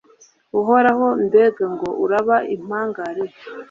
Uhoraho mbega ngo uraba impangare